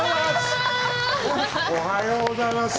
おはようございます。